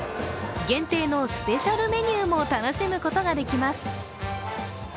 限定のスペシャルメニューも楽しむことができます。